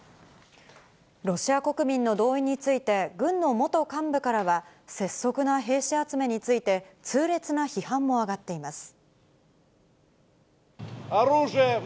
ロシア国民の動員について、軍の元幹部からは、拙速な兵士集めについて、痛烈な批判も上がっています。